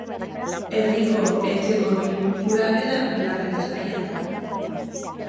Herriko Etxeko bilkura gela bigarren estaian da.